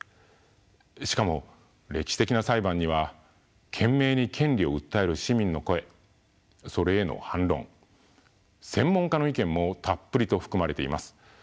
しかも歴史的な裁判には懸命に権利を訴える市民の声それへの反論専門家の意見もたっぷりと含まれています。